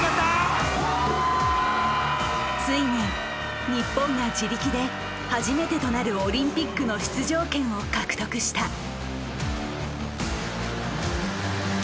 ついに日本が自力で初めてとなるオリンピックの出場権を獲得した。